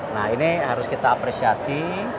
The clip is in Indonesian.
nah ini harus kita apresiasi